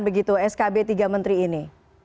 begitu skb tiga menteri ini